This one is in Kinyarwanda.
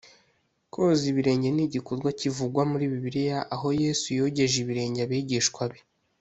Koza ibirenge ni igikorwa kivugwa muri Bibiliya aho Yezu yogeje ibirenge abigishwa be